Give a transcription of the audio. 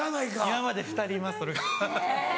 今まで２人いますそれが。